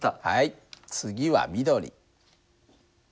はい次は緑。